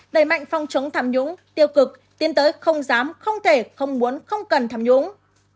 đẩy mạnh phòng chống tham nhũng tiêu cực tiến tới không dám không thể không muốn không cần tham nhũng